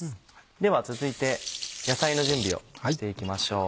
では続いて野菜の準備をしていきましょう。